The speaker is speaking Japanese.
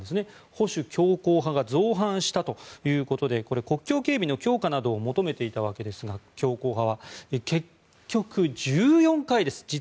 保守強硬派が造反したということでこれ、国境警備の強化などを強硬派は求めていたわけですが実に結局１４回です。